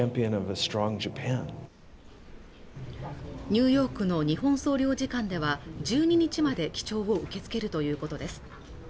ニューヨークの日本総領事館では１２日まで記帳を受け付けるということです